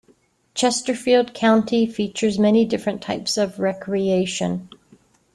Chesterfield County features many different types of recreation.